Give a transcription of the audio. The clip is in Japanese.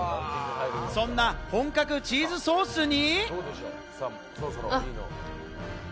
そんな本格チーズソースに。